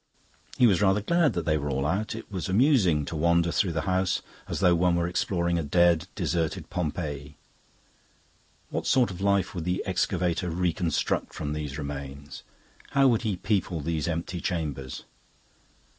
He was rather glad that they were all out; it was amusing to wander through the house as though one were exploring a dead, deserted Pompeii. What sort of life would the excavator reconstruct from these remains; how would he people these empty chambers?